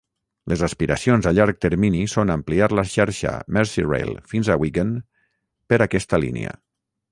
Les aspiracions a llarg termini són ampliar la xarxa Merseyrail fins a Wigan per aquesta línia.